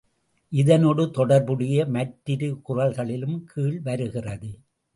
இதனொடு தொடர்புடைய மற்றிரு குறள்களிலும் கீழ் வருகிறது.